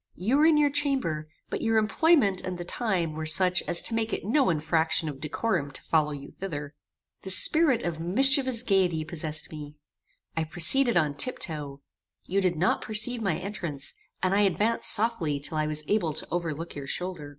You were in your chamber, but your employment and the time were such as to make it no infraction of decorum to follow you thither. The spirit of mischievous gaiety possessed me. I proceeded on tiptoe. You did not perceive my entrance; and I advanced softly till I was able to overlook your shoulder.